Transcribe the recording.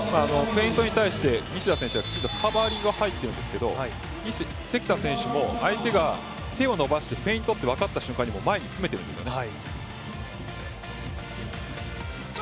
フェイントに対して西田選手がきちんとカバーリングに入っているんですけど関田選手も相手が手を伸ばしてフェイントって分かった瞬間に前に詰めてるんですよね。